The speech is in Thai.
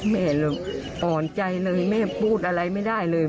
แม่อ่อนใจเลยแม่พูดอะไรไม่ได้เลย